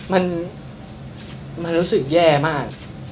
มันรู้สึกแย่มาก